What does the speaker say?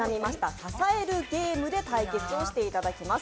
支えるゲームで対決していただきます。